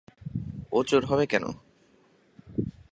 ও চোর হবে কেন?